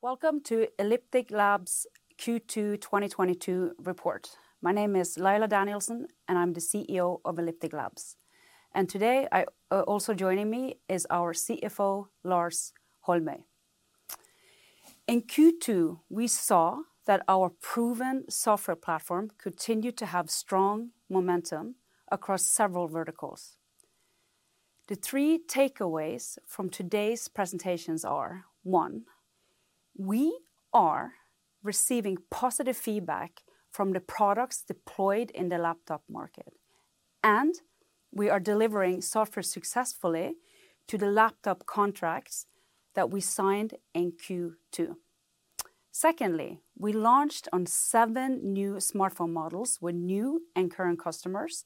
Welcome to Elliptic Labs Q2 2022 report. My name is Laila Danielsen, and I'm the CEO of Elliptic Labs. Today, also joining me is our CFO, Lars Holmøy. In Q2, we saw that our proven software platform continued to have strong momentum across several verticals. The three takeaways from today's presentations are, one, we are receiving positive feedback from the products deployed in the laptop market, and we are delivering software successfully to the laptop contracts that we signed in Q2. Secondly, we launched on seven new smartphone models with new and current customers,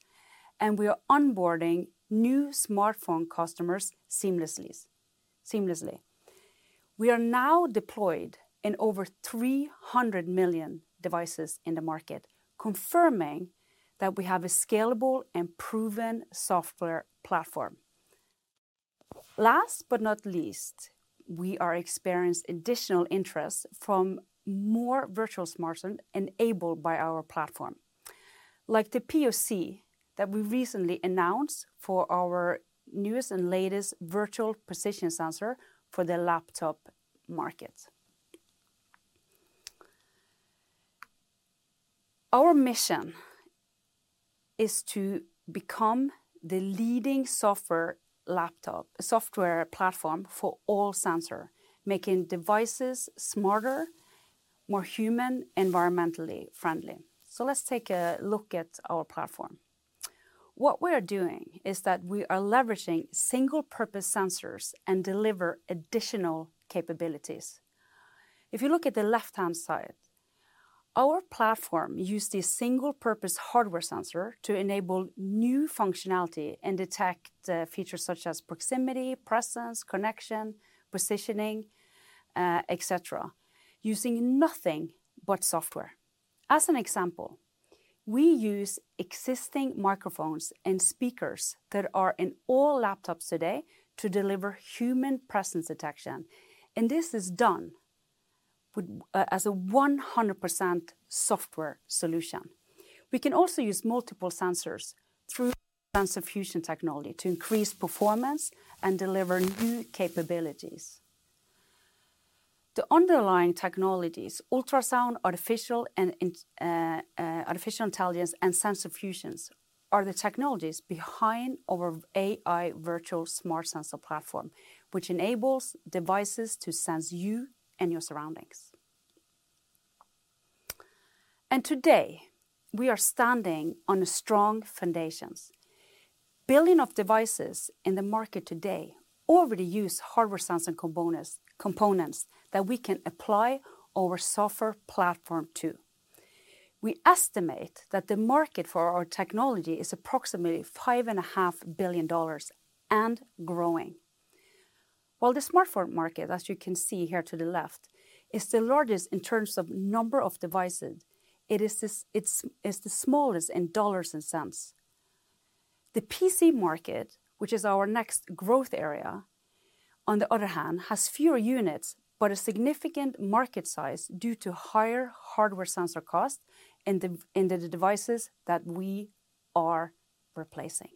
and we are onboarding new smartphone customers seamlessly. We are now deployed in over 300 million devices in the market, confirming that we have a scalable and proven software platform. Last but not least, we are experiencing additional interest for more virtual smart phones enabled by our platform, like the POC that we recently announced for our newest and latest virtual position sensor for the laptop market. Our mission is to become the leading software platform for all sensor, making devices smarter, more human, environmentally friendly. Let's take a look at our platform. What we are doing is that we are leveraging single-purpose sensors and deliver additional capabilities. If you look at the left-hand side, our platform use the single-purpose hardware sensor to enable new functionality and detect features such as proximity, presence, connection, positioning, et cetera, using nothing but software. As an example, we use existing microphones and speakers that are in all laptops today to deliver human presence detection, and this is done with a 100% software solution. We can also use multiple sensors through sensor fusion technology to increase performance and deliver new capabilities. The underlying technologies, ultrasound, artificial intelligence, and sensor fusion are the technologies behind our AI Virtual Smart Sensor Platform, which enables devices to sense you and your surroundings. Today, we are standing on strong foundations. Billions of devices in the market today already use hardware sensor components that we can apply our software platform to. We estimate that the market for our technology is approximately $5.5 billion and growing. While the smartphone market, as you can see here to the left, is the largest in terms of number of devices, it is the smallest in dollars and cents. The PC market, which is our next growth area, on the other hand, has fewer units, but a significant market size due to higher hardware sensor costs in the devices that we are replacing.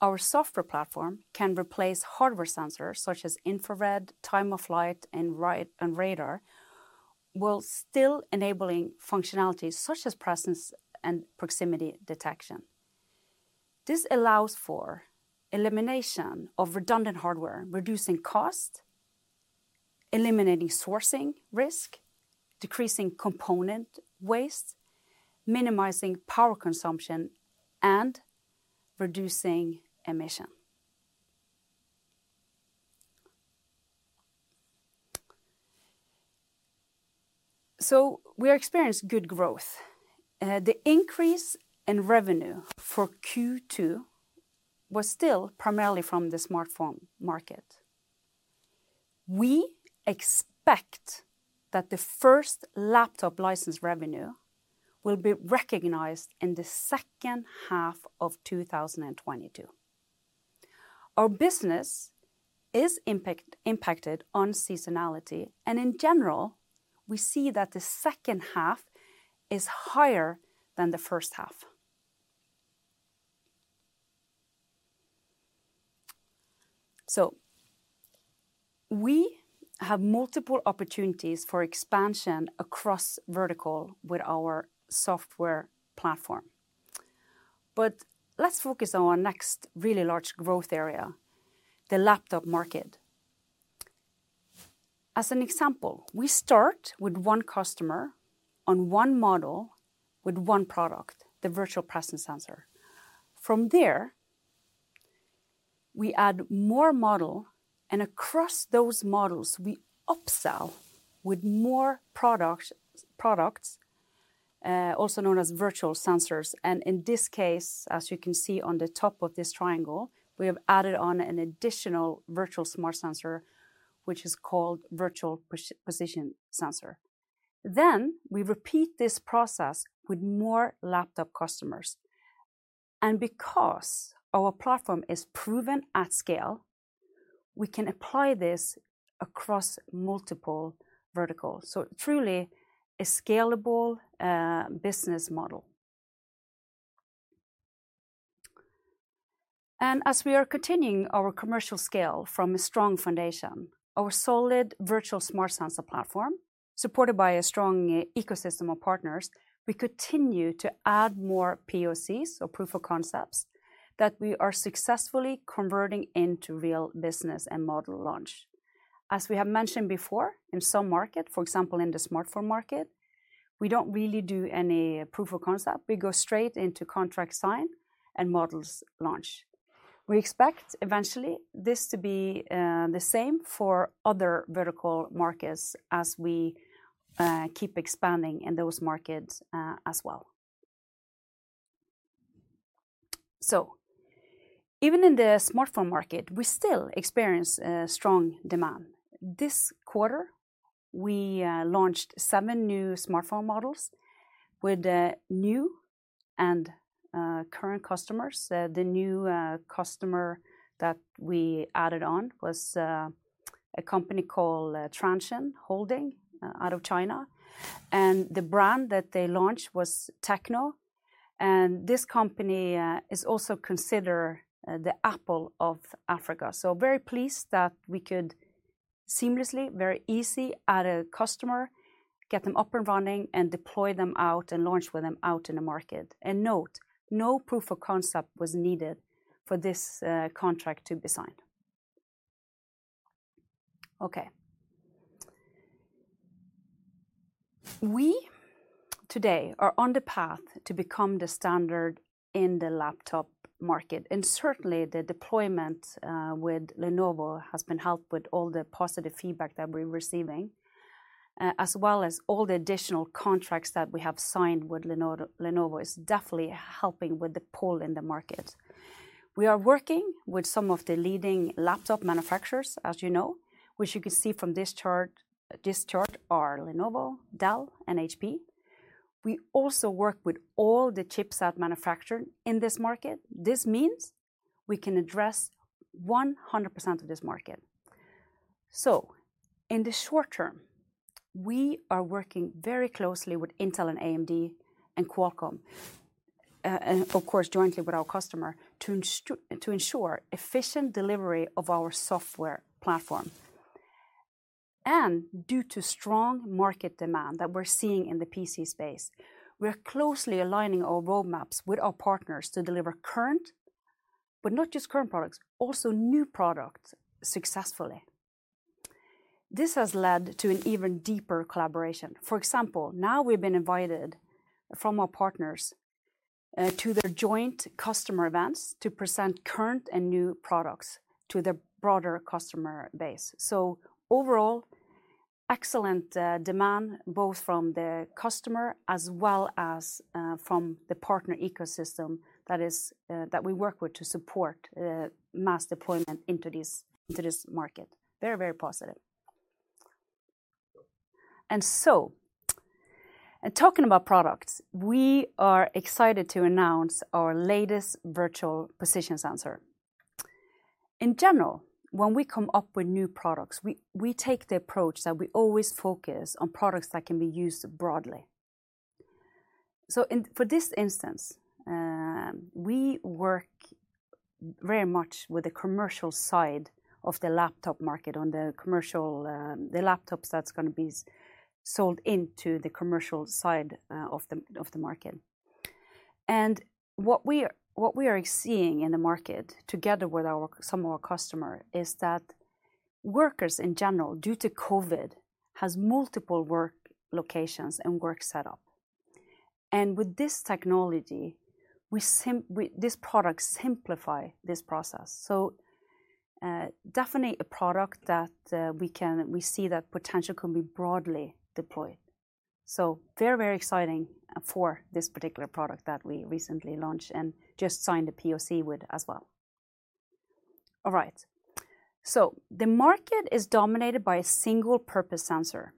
Our software platform can replace hardware sensors such as infrared, Time-of-Flight, and radar, while still enabling functionalities such as presence and proximity detection. This allows for elimination of redundant hardware, reducing cost, eliminating sourcing risk, decreasing component waste, minimizing power consumption, and reducing emission. We are experiencing good growth. The increase in revenue for Q2 was still primarily from the smartphone market. We expect that the first laptop license revenue will be recognized in the second half of 2022. Our business is impacted on seasonality, and in general, we see that the second half is higher than the first half. We have multiple opportunities for expansion across vertical with our software platform. Let's focus on our next really large growth area, the laptop market. As an example, we start with one customer on one model with one product, the Virtual Presence Sensor. From there, we add more model, and across those models, we upsell with more products, also known as virtual sensors, and in this case, as you can see on the top of this triangle, we have added on an additional Virtual Smart Sensor, which is called Virtual Position Sensor. Then we repeat this process with more laptop customers. Because our platform is proven at scale, we can apply this across multiple verticals. Truly a scalable business model. As we are continuing our commercial scale from a strong foundation, our solid AI Virtual Smart Sensor Platform, supported by a strong ecosystem of partners, we continue to add more POCs, so proof of concepts, that we are successfully converting into real business and model launch. As we have mentioned before, in some market, for example in the smartphone market, we don't really do any proof of concept. We go straight into contract sign and models launch. We expect eventually this to be the same for other vertical markets as we keep expanding in those markets as well. Even in the smartphone market, we still experience strong demand. This quarter, we launched seven new smartphone models with new and current customers. The new customer that we added on was a company called Transsion Holdings out of China, and the brand that they launched was Tecno. This company is also considered the Apple of Africa. Very pleased that we could seamlessly, very easy, add a customer, get them up and running, and deploy them out and launch with them out in the market. Note, no proof of concept was needed for this contract to be signed. Okay. We today are on the path to become the standard in the laptop market, and certainly the deployment with Lenovo has been helped with all the positive feedback that we're receiving as well as all the additional contracts that we have signed with Lenovo. Lenovo is definitely helping with the pull in the market. We are working with some of the leading laptop manufacturers, as you know, which you can see from this chart, this chart are Lenovo, Dell, and HP. We also work with all the chipset manufacturer in this market. This means we can address 100% of this market. In the short term, we are working very closely with Intel, and AMD, and Qualcomm, and of course jointly with our customer to ensure efficient delivery of our software platform. Due to strong market demand that we're seeing in the PC space, we are closely aligning our roadmaps with our partners to deliver current, but not just current products, also new products successfully. This has led to an even deeper collaboration. For example, now we've been invited from our partners to their joint customer events to present current and new products to their broader customer base. Overall, excellent demand both from the customer as well as from the partner ecosystem that we work with to support mass deployment into this market. Very positive. Talking about products, we are excited to announce our latest Virtual Position Sensor. In general, when we come up with new products, we take the approach that we always focus on products that can be used broadly. For this instance, we work very much with the commercial side of the laptop market on the commercial laptops that's gonna be sold into the commercial side of the market. What we are seeing in the market together with some of our customers is that workers in general, due to COVID, have multiple work locations and work setups. With this technology, this product simplifies this process. Definitely a product that we see the potential can be broadly deployed. Very, very exciting for this particular product that we recently launched and just signed a POC with as well. All right. The market is dominated by a single-purpose sensor,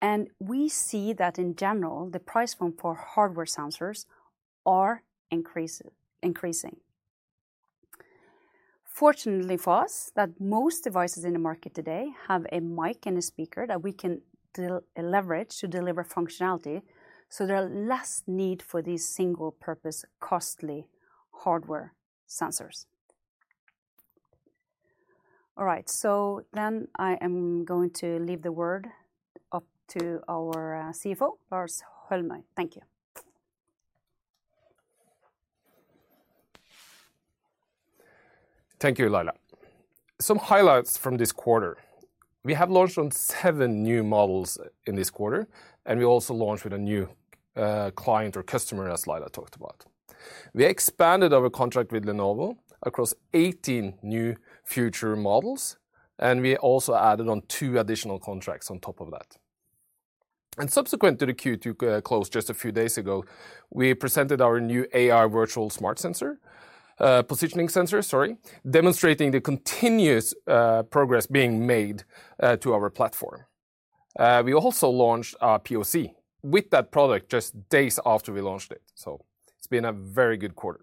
and we see that in general the price point for hardware sensors is increasing. Fortunately for us, the fact that most devices in the market today have a mic and a speaker that we can leverage to deliver functionality, so there is less need for these single-purpose, costly hardware sensors. All right. I am going to leave the word up to our CFO, Lars Holmøy. Thank you. Thank you, Laila. Some highlights from this quarter. We have launched on seven new models in this quarter, and we also launched with a new client or customer, as Laila talked about. We expanded our contract with Lenovo across 18 new future models, and we also added on two additional contracts on top of that. Subsequent to the Q2 close just a few days ago, we presented our new AI Virtual Position Sensor, sorry, demonstrating the continuous progress being made to our platform. We also launched our POC with that product just days after we launched it. It's been a very good quarter.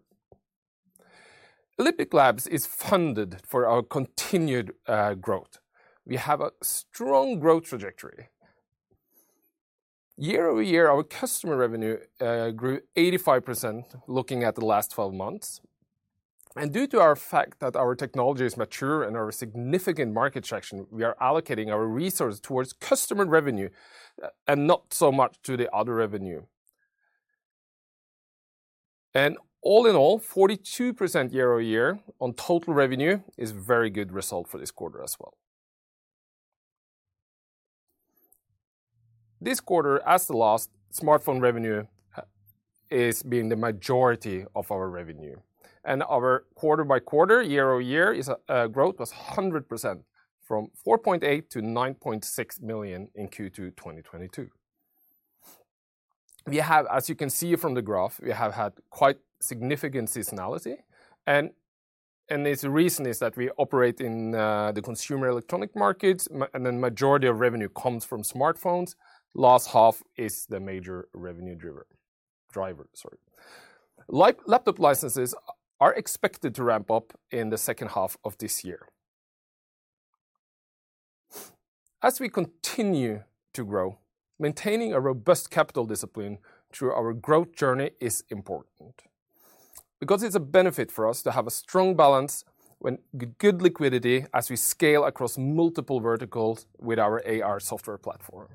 Elliptic Labs is funded for our continued growth. We have a strong growth trajectory. Year-over-year, our customer revenue grew 85% looking at the last 12 months. Due to our fact that our technology is mature and our significant market traction, we are allocating our resources towards customer revenue, and not so much to the other revenue. All in all, 42% year-over-year on total revenue is very good result for this quarter as well. This quarter, as the last, smartphone revenue has been the majority of our revenue. Our quarter-by-quarter, year-over-year growth was 100% from 4.8 million-9.6 million in Q2 2022. As you can see from the graph, we have had quite significant seasonality. Its reason is that we operate in the consumer electronics markets, and then majority of revenue comes from smartphones. Last half is the major revenue driver. Laptop licenses are expected to ramp up in the second half of this year. As we continue to grow, maintaining a robust capital discipline through our growth journey is important because it's a benefit for us to have a strong balance sheet with good liquidity as we scale across multiple verticals with our AI software platform.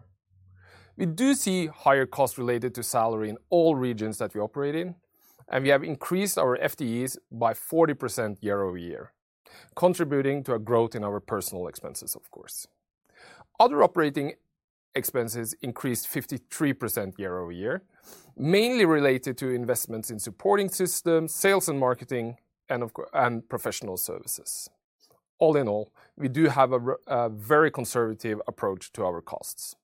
We do see higher costs related to salary in all regions that we operate in, and we have increased our FTEs by 40% year-over-year, contributing to a growth in our personnel expenses, of course. Other operating expenses increased 53% year-over-year, mainly related to investments in supporting systems, sales and marketing, and professional services. All in all, we do have a very conservative approach to our costs.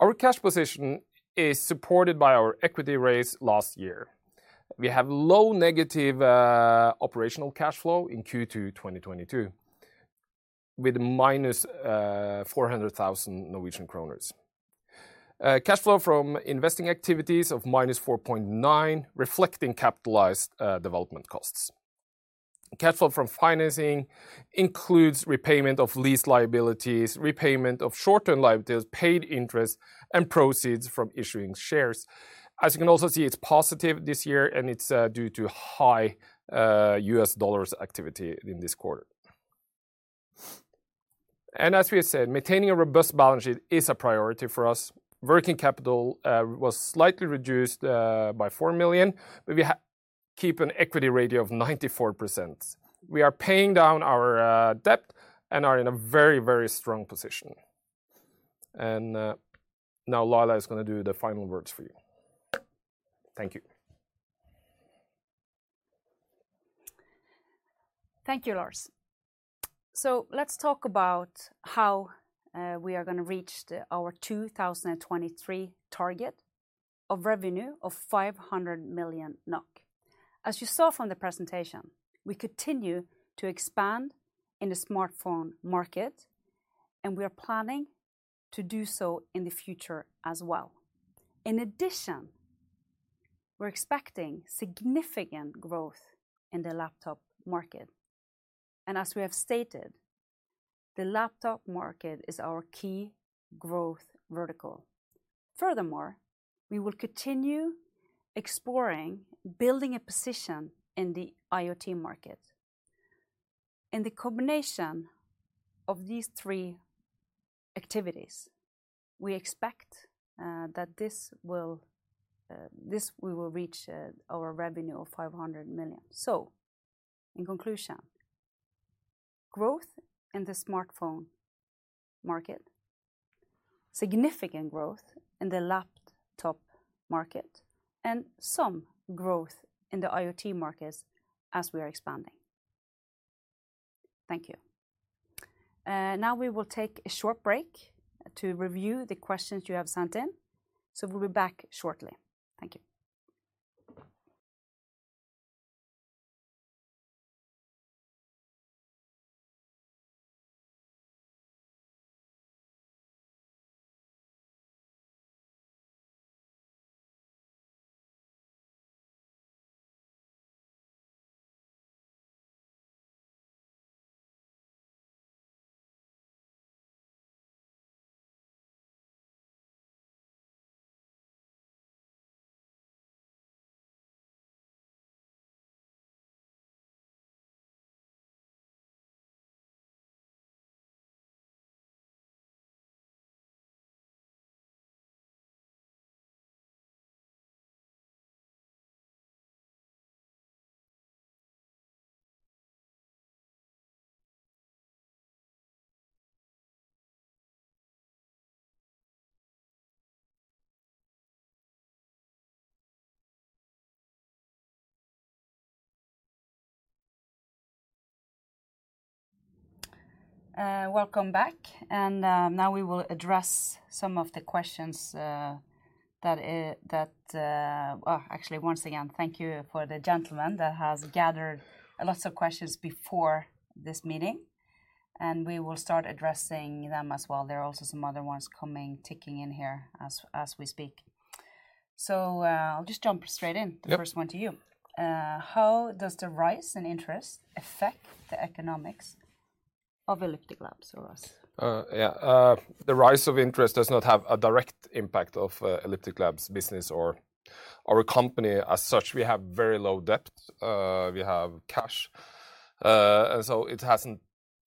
Our cash position is supported by our equity raise last year. We have low negative operational cash flow in Q2 2022, with -400,000 Norwegian kroner. Cash flow from investing activities of -4.9 million, reflecting capitalized development costs. Cash flow from financing includes repayment of lease liabilities, repayment of short-term liabilities, paid interest, and proceeds from issuing shares. As you can also see, it's positive this year, and it's due to high US dollars activity in this quarter. As we have said, maintaining a robust balance sheet is a priority for us. Working capital was slightly reduced by 4 million. We keep an equity ratio of 94%. We are paying down our debt and are in a very, very strong position. Now Laila is gonna do the final words for you. Thank you. Thank you, Lars. Let's talk about how we are gonna reach our 2023 target of revenue of 500 million NOK. As you saw from the presentation, we continue to expand in the smartphone market, and we are planning to do so in the future as well. In addition, we're expecting significant growth in the laptop market. As we have stated, the laptop market is our key growth vertical. Furthermore, we will continue exploring building a position in the IoT market. In the combination of these three activities, we expect that we will reach our revenue of 500 million. In conclusion, growth in the smartphone market, significant growth in the laptop market, and some growth in the IoT markets as we are expanding. Thank you. Now we will take a short break to review the questions you have sent in, so we'll be back shortly. Thank you. Welcome back. Now we will address some of the questions. Well, actually once again, thank you for the gentleman that has gathered lots of questions before this meeting, and we will start addressing them as well. There are also some other ones coming, ticking in here as we speak. I'll just jump straight in. Yep. The first one to you. How does the rise in interest affect the economics of Elliptic Labs for us? Yeah. The rise of interest does not have a direct impact of Elliptic Labs business or a company as such. We have very low debt. We have cash. It hasn't.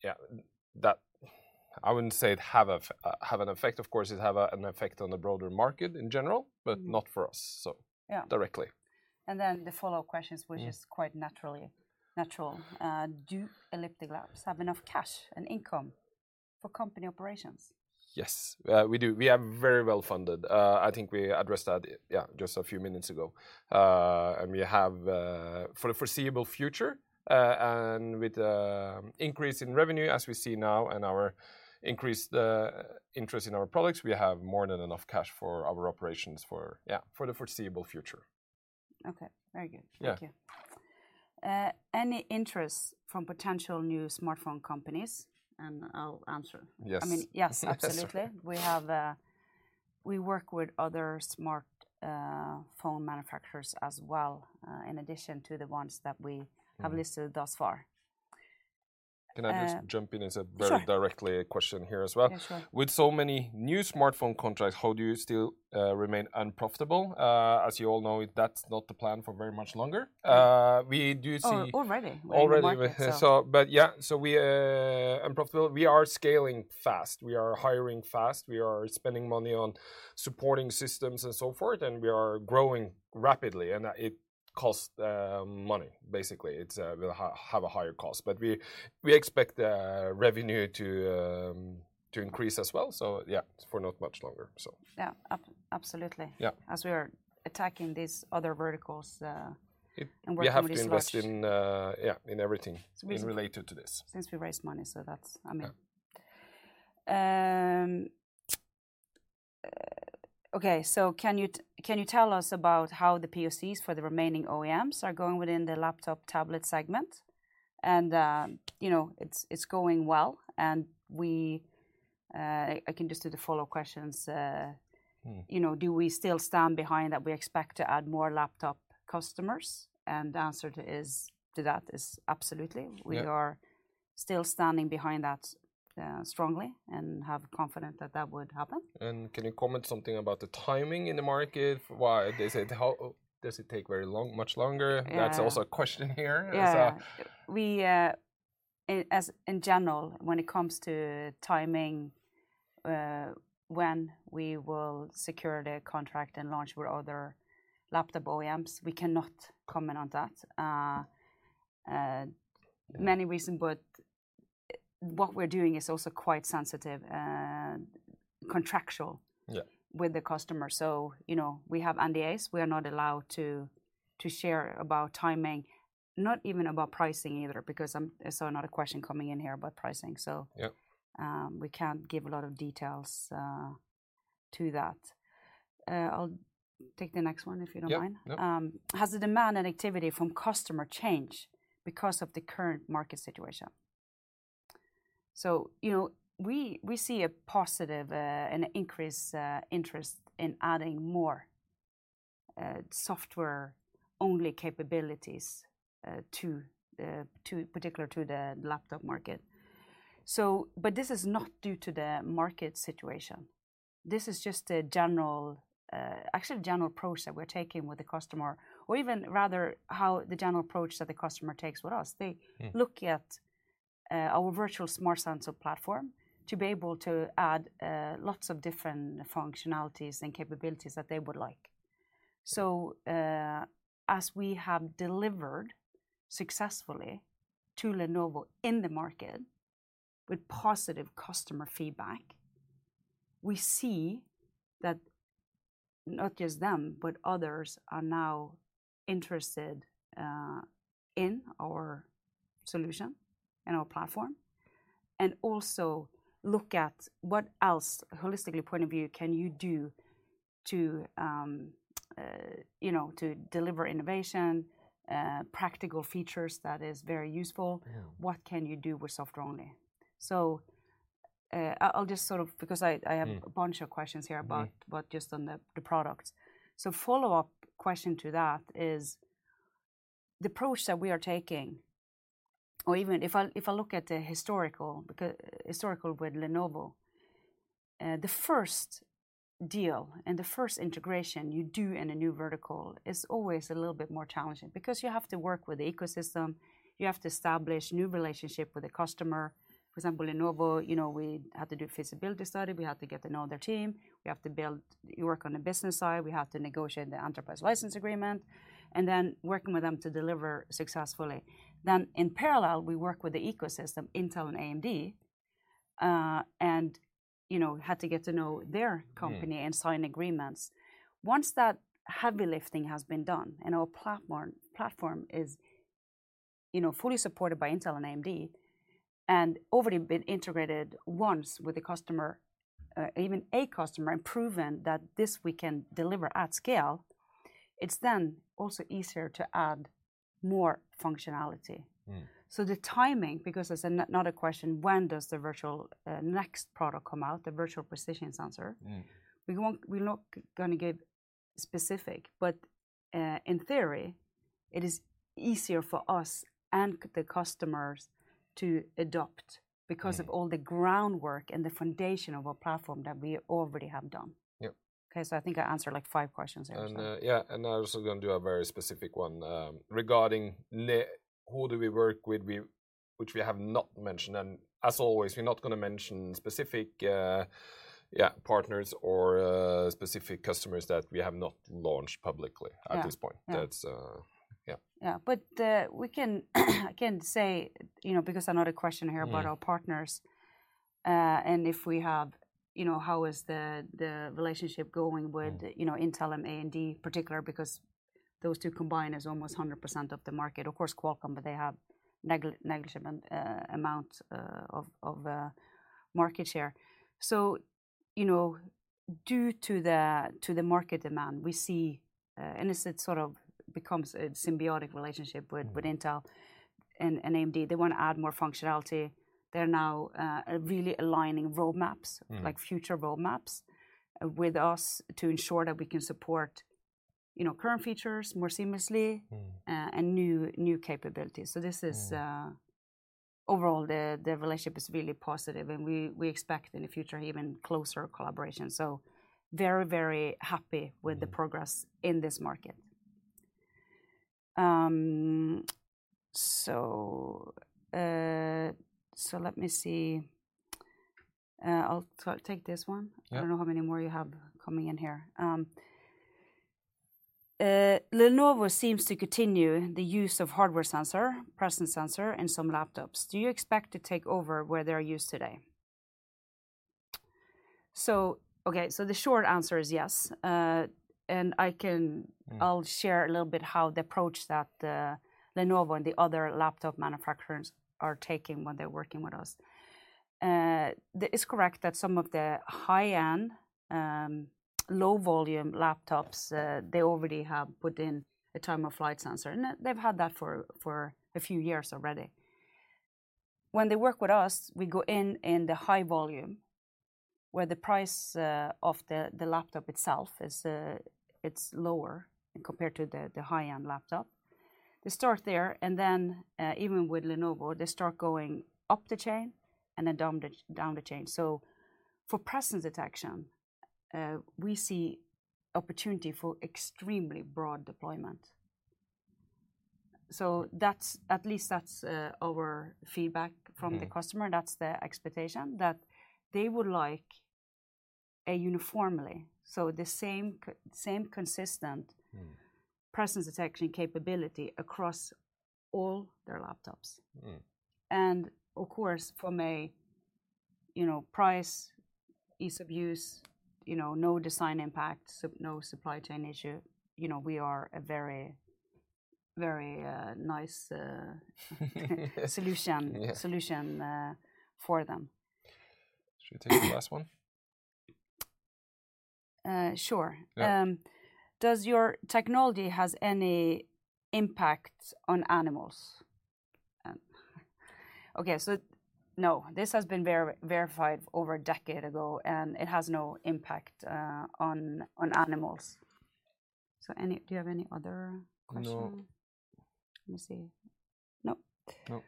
Yeah, that. I wouldn't say it have an effect. Of course, it have an effect on the broader market in general. Mm-hmm Not for us. Yeah directly. The follow-up questions. Mm Which is quite natural. Do Elliptic Labs have enough cash and income for company operations? Yes. We do. We are very well-funded. I think we addressed that, yeah, just a few minutes ago. We have for the foreseeable future, and with increase in revenue as we see now and our increased interest in our products, we have more than enough cash for our operations for, yeah, for the foreseeable future. Okay. Very good. Yeah. Thank you. Any interest from potential new smartphone companies? I'll answer. Yes. I mean, yes, absolutely. We work with other smart phone manufacturers as well, in addition to the ones that we Mm Have listed thus far. Can I just jump in as a. Sure Very direct question here as well. Yeah, sure. With so many new smartphone contracts, how do you still remain unprofitable? As you all know, that's not the plan for very much longer. We do see- Oh, already. Already. In the market, so. We're unprofitable. We are scaling fast. We are hiring fast. We are spending money on supporting systems and so forth, and we are growing rapidly, and it costs money basically. It is. We'll have a higher cost. We expect the revenue to increase as well. Yeah, it's for not much longer, so. Yeah. Absolutely. Yeah. As we are attacking these other verticals. It- working with these large We have to invest in everything. Since we-... in related to this since we raised money, that's, I mean. Yeah. Okay. Can you tell us about how the POCs for the remaining OEMs are going within the laptop tablet segment? You know, it's going well, and I can just do the follow-up questions. Mm You know, do we still stand behind that we expect to add more laptop customers? The answer to that is absolutely. Yeah. We are still standing behind that strongly and are confident that that would happen. Can you comment something about the timing in the market? Why they said, "How does it take very long, much longer? Yeah. That's also a question here. Yeah. We, in general, when it comes to timing, when we will secure the contract and launch with other laptop OEMs, we cannot comment on that. Yeah Many reasons, but what we're doing is also quite sensitive, contractual. Yeah With the customer. You know, we have NDAs. We are not allowed to share about timing, not even about pricing either, because I saw another question coming in here about pricing, so Yep We can't give a lot of details to that. I'll take the next one if you don't mind. Yep. Yep. Has the demand and activity from customer changed because of the current market situation? You know, we see a positive, an increased interest in adding more software-only capabilities to particularly to the laptop market. But this is not due to the market situation. This is just a general, actually general approach that we're taking with the customer or even rather how the general approach that the customer takes with us. Mm Look at our virtual smart sensor platform to be able to add lots of different functionalities and capabilities that they would like. As we have delivered successfully to Lenovo in the market with positive customer feedback, we see that not just them, but others are now interested in our solution and our platform. Also look at what else, from a holistic point of view, can you do to you know, to deliver innovation, practical features that is very useful. Yeah. What can you do with software only? I'll just sort of, because I have- Yeah a bunch of questions here about Yeah just on the products. Follow-up question to that is the approach that we are taking or even if I look at the historical with Lenovo, the first deal and the first integration you do in a new vertical is always a little bit more challenging because you have to work with the ecosystem. You have to establish new relationship with the customer. For example, Lenovo, you know, we had to do feasibility study, we had to get to know their team, we have to build, work on the business side, we have to negotiate the enterprise license agreement, and then working with them to deliver successfully. In parallel, we work with the ecosystem, Intel and AMD, and you know, had to get to know their company. Yeah Sign agreements. Once that heavy lifting has been done and our platform is, you know, fully supported by Intel and AMD, and already been integrated once with the customer, even a customer, and proven that this we can deliver at scale, it's then also easier to add more functionality. Mm. The timing, because there's another question. When does the virtual next product come out, the Virtual Position Sensor? Mm we won't, we're not gonna give specific, but, in theory, it is easier for us and the customers to adopt- Yeah Because of all the groundwork and the foundation of our platform that we already have done. Yep. Okay, I think I answered, like, five questions there, so. I was also gonna do a very specific one regarding who we work with, which we have not mentioned. As always, we're not gonna mention specific partners or specific customers that we have not launched publicly. Yeah at this point. Yeah. That's, yeah. I can say, you know, because another question here. Mm about our partners, and if we have, you know, how is the relationship going with. Mm You know, Intel and AMD in particular because those two combined is almost 100% of the market. Of course, Qualcomm, but they have negligible amount of market share. You know, due to the market demand, we see and this it sort of becomes a symbiotic relationship with- Mm with Intel and AMD. They wanna add more functionality. They're now really aligning road maps. Mm like future road maps with us to ensure that we can support, you know, current features more seamlessly. Mm new capabilities. Mm. This is overall the relationship is really positive, and we expect in the future even closer collaboration, very happy with the progress in this market. Let me see. I'll take this one. Yeah. I don't know how many more you have coming in here. "Lenovo seems to continue the use of hardware sensor, presence sensor in some laptops. Do you expect to take over where they are used today?" Okay, so the short answer is yes. I can- Mm I'll share a little bit how the approach that Lenovo and the other laptop manufacturers are taking when they're working with us. It's correct that some of the high-end, low-volume laptops they already have put in a Time-of-Flight sensor, and they've had that for a few years already. When they work with us, we go in the high volume, where the price of the laptop itself is lower compared to the high-end laptop. They start there, and then even with Lenovo, they start going up the chain and then down the chain. For presence detection, we see opportunity for extremely broad deployment. That's at least our feedback from the customer. Mm-hmm. That's their expectation, that they would like a uniformly, so the same consistent. Mm presence detection capability across all their laptops. Mm. Of course, from a price, ease of use, you know, no design impact, no supply chain issue, you know, we are a very nice solution. Yeah solution for them. Should we take the last one? Sure. Yeah. Does your technology has any impact on animals?" Okay, so no. This has been verified over a decade ago, and it has no impact on animals. Do you have any other question? No. Let me see. Nope. Nope.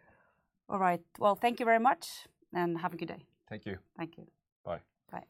All right. Well, thank you very much, and have a good day. Thank you. Thank you. Bye.